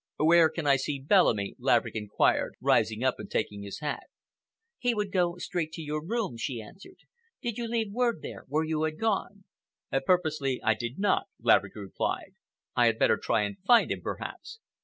"Where can I see Bellamy?" Laverick Inquired, rising and taking up his hat. "He would go straight to your rooms," she answered. "Did you leave word there where you had gone?" "Purposely I did not," Laverick replied. "I had better try and find him, perhaps."